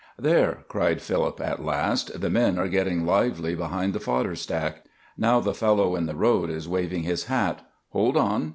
"There!" cried Philip, at last, "the men are getting lively behind the fodder stack. Now the fellow in the road is waving his hat. Hold on!